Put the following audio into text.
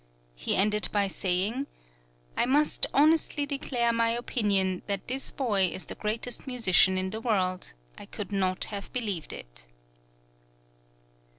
He ended by saying: "I must honestly declare my opinion that this boy is the greatest musician in the world; I could not have believed it."